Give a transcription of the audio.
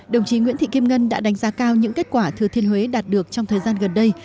đồng chí nguyễn thị kim ngân đã đánh giá cao những kết quả thừa thiên huế đạt được trong thời gian gần đây